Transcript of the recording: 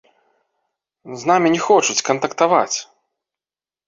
З намі не хочуць кантактаваць.